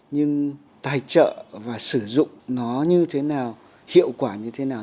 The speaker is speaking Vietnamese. nhưng tài trợ và sử dụng nó như thế nào hiệu quả như thế nào